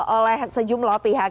oleh sejumlah pihak